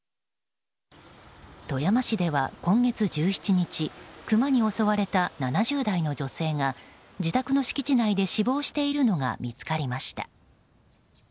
富山市では、今月１７日クマに襲われた７０代の女性が自宅の敷地内で死亡しているのが見つかりました。